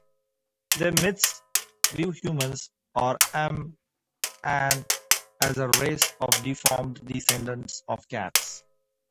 Their myths view humans, or "M'an", as a race of deformed descendants of cats.